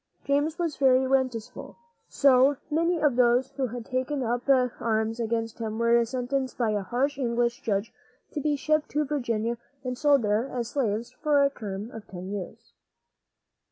James was very resentful; so many of those who had taken up arms against him were sentenced by a harsh English judge to be shipped to Virginia and sold there as slaves for a term of ten years.